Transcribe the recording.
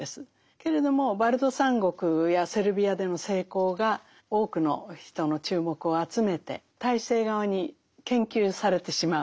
けれどもバルト三国やセルビアでの成功が多くの人の注目を集めて体制側に研究されてしまう。